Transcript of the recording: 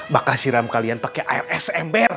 bakah siram kalian pake air es ember